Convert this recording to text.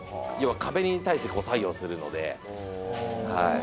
要は壁に対して作業するので。